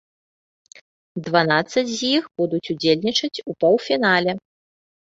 Дванаццаць з іх будуць удзельнічаць у паўфінале.